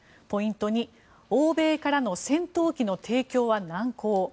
ポイント２欧米からの戦闘機の提供は難航。